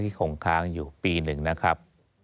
คงค้างอยู่ปีหนึ่งนะครับ